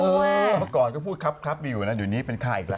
เมื่อก่อนก็พูดครับอยู่นะเดี๋ยวนี้เป็นข่าวอีกแล้ว